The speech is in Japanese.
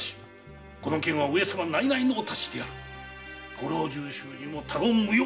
ご老中衆にも他言無用。